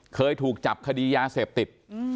เคยถูกจับคดียาเสพติด